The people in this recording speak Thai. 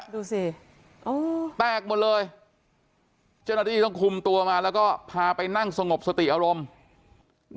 ดูสิแตกหมดเลยเจ้าหน้าที่ต้องคุมตัวมาแล้วก็พาไปนั่งสงบสติอารมณ์